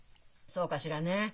そうかしらねえ。